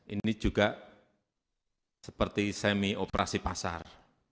ini juga seperti semi operasi pasar